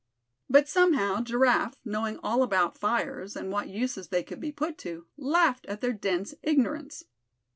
But somehow Giraffe, knowing all about fires, and what uses they could be put to, laughed at their dense ignorance.